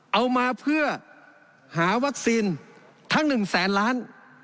เอามาเพื่อหาวัคซีนทั้ง๑แสนล้าน